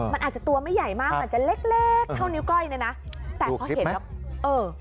มันอาจจะตัวไม่ใหญ่มากอาจจะเล็กเล็กเท่านิ้วก้อยเนี่ยนะแต่พอเห็นแล้วเออ